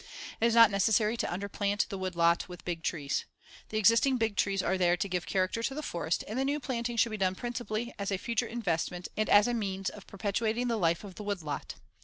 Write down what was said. It is not necessary to underplant the woodlot with big trees. The existing big trees are there to give character to the forest and the new planting should be done principally as a future investment and as a means of perpetuating the life of the woodlot.